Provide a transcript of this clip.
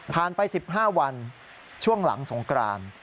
ไป๑๕วันช่วงหลังสงกราน